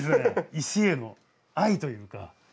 石への愛というか。